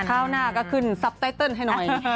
ข้าวหน้าก็ขึ้นซับไต้เติ้ลให้หน่อย